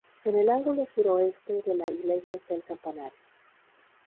En el ángulo suroeste de la iglesia está el campanario.